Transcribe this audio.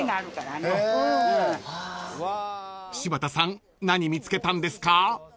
［柴田さん何見つけたんですか？］